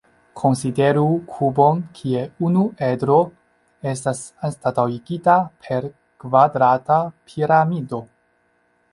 Konsideru kubon kie unu edro estas anstataŭigita per kvadrata piramido.